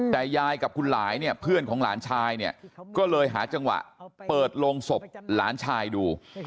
แต่ยายกับคุณหลายเนี่ยเพื่อนของหลานชายเนี่ยก็เลยหาจังหวะเปิดโรงศพหลานชายดู